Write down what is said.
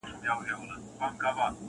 همېشه په ښو نمرو کامیابېدله.